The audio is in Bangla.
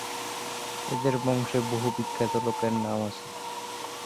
এঁদের বংশে বহু বিখ্যাত লোকের নাম আছে।